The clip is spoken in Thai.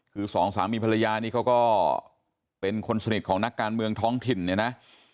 คือสองสามีภรรยานี่เขาก็เป็นคนสนิทของนักการเมืองท้องถิ่นเนี่ยนะ